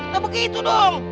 gak begitu dong